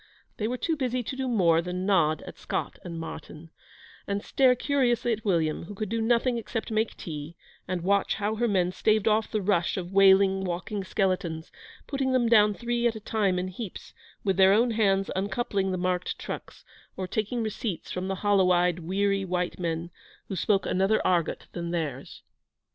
They were too busy to do more than nod at Scott and Martyn, and stare curiously at William, who could do nothing except make tea, and watch how her men staved off the rush of wailing, walking skeletons, putting them down three at a time in heaps, with their own hands uncoupling the marked trucks, or taking receipts from the hollowed eyed, weary white men, who spoke another argot than theirs.